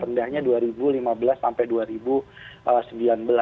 rendahnya dua ribu lima belas sampai dua ribu sembilan belas